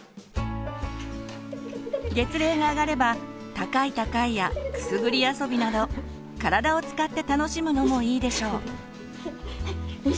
月齢が上がれば高い高いやくすぐり遊びなど体を使って楽しむのもいいでしょう。